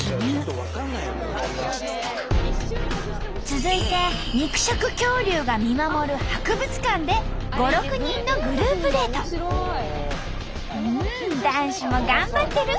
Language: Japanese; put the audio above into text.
続いて肉食恐竜が見守る博物館で５６人の男子も頑張ってる！